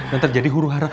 dan terjadi huru hara